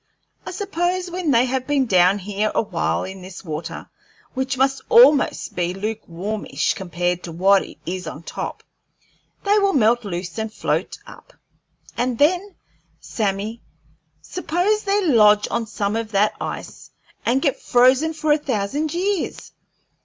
I suppose, when they have been down here awhile in this water, which must be almost lukewarmish compared to what it is on top, they will melt loose and float up; and then, Sammy, suppose they lodge on some of that ice and get frozen for a thousand years!